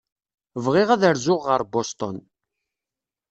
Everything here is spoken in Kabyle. Bɣiɣ ad rzuɣ ɣer Boston.